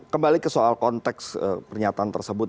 kembali ke soal konteks pernyataan tersebut